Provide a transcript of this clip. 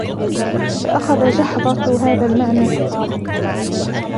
فَأَخَذَ جَحْظَةُ هَذَا الْمَعْنَى فَقَالَ